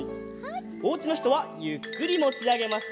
おうちのひとはゆっくりもちあげますよ。